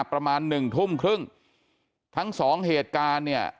ประมาณ๑ทุ่มครึ่งทั้ง๒เหตุการณ์เนี่ย